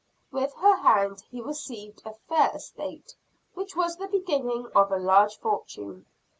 With her hand he received a fair estate; which was the beginning of a large fortune.